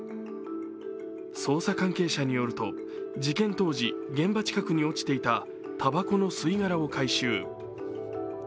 捜査関係者によると、事件当時、現場近くに落ちていたたばこの吸い殻を回収。